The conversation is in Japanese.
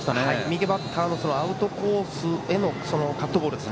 右バッターのアウトコースへのカットボール。